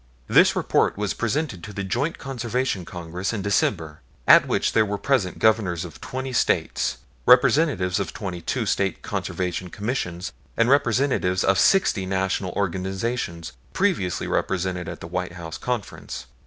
This report was presented to the Joint Conservation Congress in December, at which there were present Governors of twenty States, representatives of twenty two State Conservation Commissions, and representatives of sixty National organizations previously represented at the White House conference.